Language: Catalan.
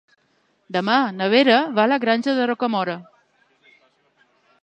Demà na Vera va a la Granja de Rocamora.